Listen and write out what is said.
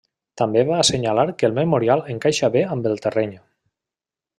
També va assenyalar que el memorial encaixa bé amb el terreny.